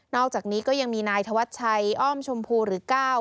อกจากนี้ก็ยังมีนายธวัชชัยอ้อมชมพูหรือก้าว